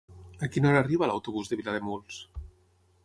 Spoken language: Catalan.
A quina hora arriba l'autobús de Vilademuls?